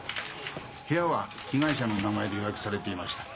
部屋は被害者の名前で予約されていました。